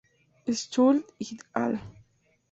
Schultz "et al.